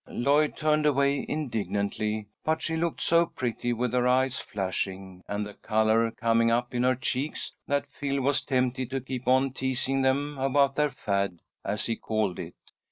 Lloyd turned away indignantly, but she looked so pretty with her eyes flashing, and the colour coming up in her cheeks, that Phil was tempted to keep on teasing them about their fad, as he called it.